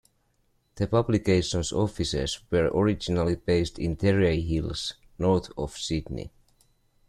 The publication's offices were originally based in Terrey Hills north of Sydney.